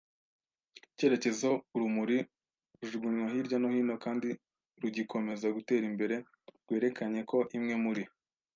icyerekezo, urumuri rujugunywa hirya no hino kandi rugikomeza gutera imbere rwerekanye ko imwe muri